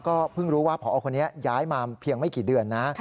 ก็เพิ่งรู้ว่าพอคนนี้ย้ายมาเพียงไม่กี่เดือนนะ